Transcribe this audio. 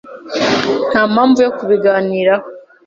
Nta mpamvu yo kubiganiraho.